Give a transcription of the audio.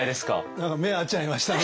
何か目合っちゃいましたね。